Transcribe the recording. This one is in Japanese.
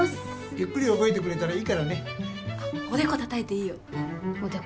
ゆっくり覚えてくれたらいいからねおでこ叩いていいよおでこ？